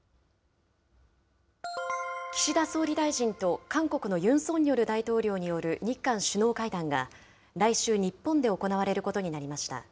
岸田総理大臣と韓国のユン・ソンニョル大統領による日韓首脳会談が、来週、日本で行われることになりました。